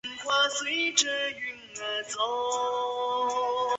李家因此债台高筑。